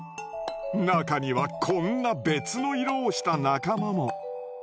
なかにはこんな別の色をした仲間も。